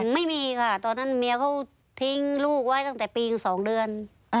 ไม่มีค่ะตอนนั้นเมียเขาทิ้งลูกไว้ตั้งแต่ปี๒เดือน